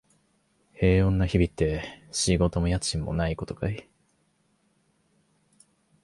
平穏な日々って、仕事も家賃もないことかい？